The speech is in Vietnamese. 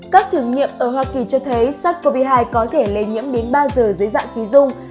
các thử nghiệm ở hoa kỳ cho thấy sars cov hai có thể lây nhiễm đến ba giờ dưới dạng khí dung